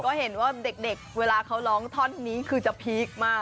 ก็เห็นว่าเด็กเวลาเขาร้องท่อนนี้คือจะพีคมาก